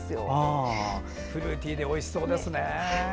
フルーティーでおいしそうですね。